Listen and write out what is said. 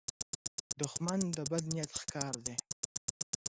دښمن د بد نیت ښکار دی